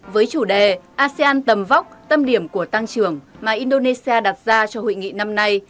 với chủ đề asean tầm vóc tâm điểm của tăng trưởng mà indonesia đặt ra cho hội nghị năm nay